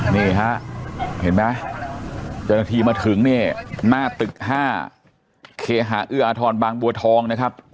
นี่ฮะเห็นไหมเดี๋ยวนาทีมาถึงนี่หน้าตึกห้าเคหะเอื้ออทรบางบัวทองนะครับ